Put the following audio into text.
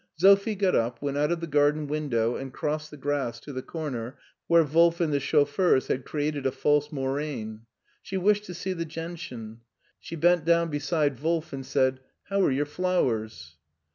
Sophie got up, went out of the garden window, and crossed the grass to the comer where Wolf and the chauffeurs had created a false moraine. She wished to see the gentian. She bent down beside Wolf and said :" How are your flowers